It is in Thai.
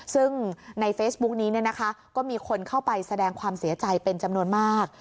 ซึ่งในเฟซบุ๊กนี้ก็มีคนเข้าไปแสดงความเสียใจเป็นจำนวนมาก